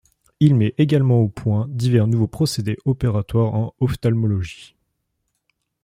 Il met également au point divers nouveaux procédés opératoires en ophtalmologie.